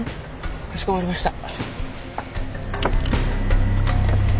かしこまりました。